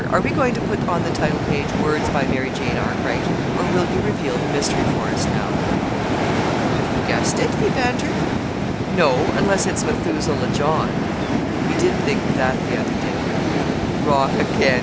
Are we going to put on the title page: 'Words by Mary Jane Arkwright' or will you unveil the mystery for us now?" "Have you guessed it?" he bantered. "No unless it's 'Methuselah John.' We did think of that the other day." "Wrong again!"